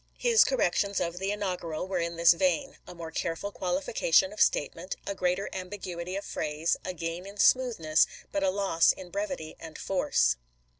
His cor rections of the inaugural were in this vein : a more careful qualification of statement, a greater ambiguity of phrase, a gain in smoothness, but a loss in brevity and force.